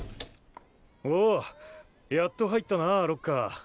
おやっと入ったなロッカー。